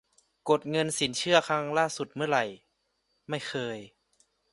- กดเงินสินเชื่อครั้งล่าสุดเมื่อไหร่ : ไม่เคย